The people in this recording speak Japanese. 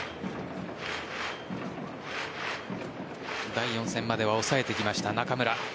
第４戦までは抑えてきました中村。